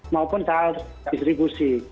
maupun saat distribusi